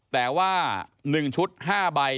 แต่ว่า๑ชุด๕ใบ